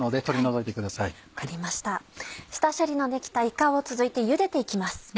下処理のできたいかを続いて茹でて行きます。